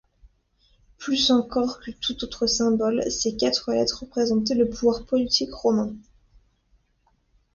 Plus encore que tout autre symbole, ces quatre lettres représentaient le pouvoir politique romain.